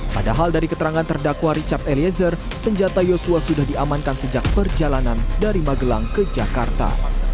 padahal dari keterangan terdakwa richard eliezer senjata yosua sudah diamankan sejak perjalanan dari magelang ke jakarta